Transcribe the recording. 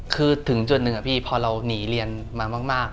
คือถึงจุดหนึ่งอะพี่พอเราหนีเรียนมามาก